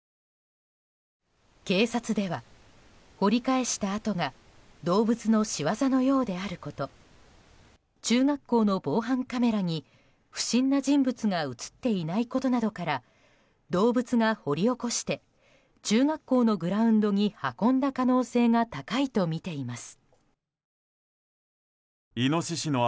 警察では、掘り返した跡が動物の仕業のようであること中学校の防犯カメラに不審な人物が映っていないことなどから動物が掘り起こして中学校のグラウンドに運んだ可能性が高いとみています。